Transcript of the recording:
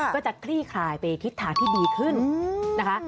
ก็จะคลี่คลายไปทิศทางที่ดีขึ้นนะคะ